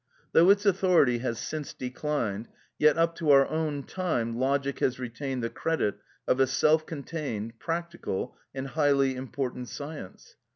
Though its authority has since declined, yet up to our own time logic has retained the credit of a self contained, practical, and highly important science.